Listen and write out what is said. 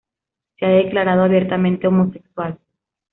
Se ha declarado abiertamente homosexual.